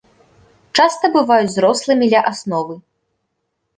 Часта бываюць зрослымі ля асновы.